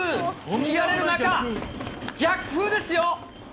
吹き荒れる中、逆風ですよ。